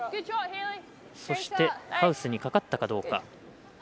そしてハウスにかかったかどうか。